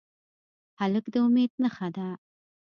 هلک د امید نښه ده.